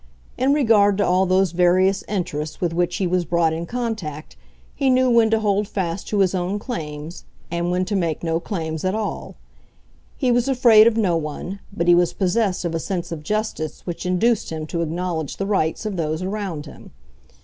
In regard to all those various interests with which he was brought in contact, he knew when to hold fast to his own claims, and when to make no claims at all. He was afraid of no one, but he was possessed of a sense of justice which induced him to acknowledge the rights of those around him.